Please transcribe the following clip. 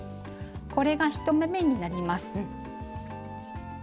これが１目めになります。